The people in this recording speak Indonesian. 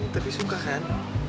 tapi suka kan